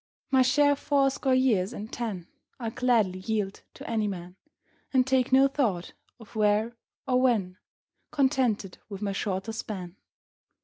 My share of fourscore years and ten I'll gladly yield to any man, And take no thought of " where " or " when," Contented with my shorter span.